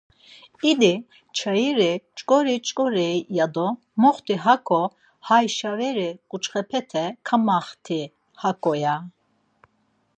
İdi nçayiri şǩori şǩori, ya do moxt̆i hako hay şaveri ǩuçxepete kamaxt̆i hako, ya.